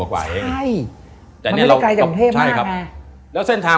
ทางดีมาก